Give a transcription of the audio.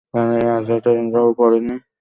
তারা এ আযাবের আওতায় পড়েনি।